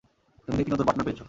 তুমি দেখি নতুন পার্টনার পেয়েছ।